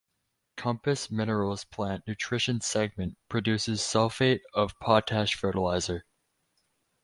Compass Minerals' Plant Nutrition Segment produces sulfate of potash fertilizer.